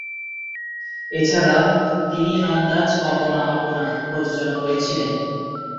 এছাড়া, তিনি "আন্দাজ আপনা আপনা" প্রযোজনা করেছিলেন।